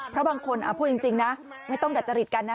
เพราะบางคนพูดจริงนะไม่ต้องดัดจริตกันนะ